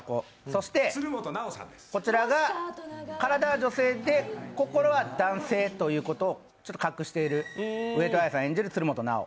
そしてこちらが体は女性で心は男性ということを各指定上戸彩さん演じる鶴本直